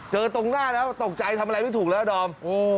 ตรงหน้าแล้วตกใจทำอะไรไม่ถูกแล้วดอม